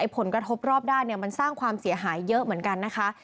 ผลกระทบรอบด้านมันสร้างความเสียหายเยอะเหมือนกันนะคะ